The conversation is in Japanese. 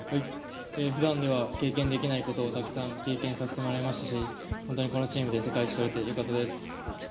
ふだんでは経験できないことをたくさん経験させてもらいましたし、本当にこのチームで世界一とれてよかったです。